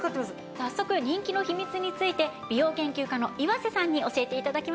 早速人気の秘密について美容研究家の岩瀬さんに教えて頂きましょう。